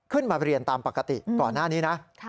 ขึ้นมาเรียนตามปกติก่อนหน้านี้นะ